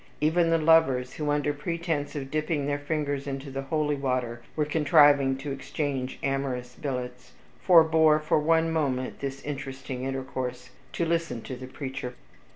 Even the lovers, who, under pretense of dipping their fingers into the holy water, were contriving to exchange amorous billets, forbore for one moment this interesting intercourse, to listen to the preacher.